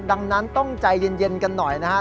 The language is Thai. ดังนั้นต้องใจเย็นกันหน่อยนะครับ